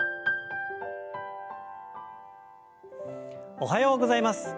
おはようございます。